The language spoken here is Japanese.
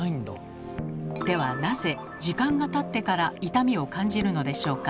ではなぜ時間がたってから痛みを感じるのでしょうか？